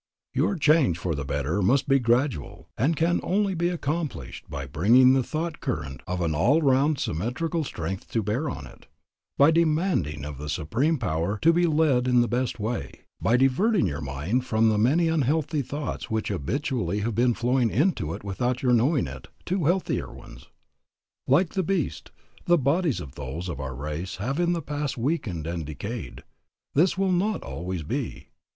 ... "Your change for the better must be gradual, and can only be accomplished by bringing the thought current of an all round symmetrical strength to bear on it, by demanding of the Supreme Power to be led in the best way, by diverting your mind from the many unhealthy thoughts which habitually have been flowing into it without your knowing it, to healthier ones. ... "Like the beast, the bodies of those of our race have in the past weakened and decayed. This will not always be.